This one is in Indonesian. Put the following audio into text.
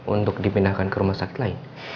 untuk dipindahkan ke rumah sakit lain